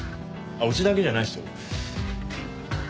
うちだけじゃないですよ。